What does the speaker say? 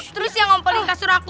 terus yang ngomong di kasur aku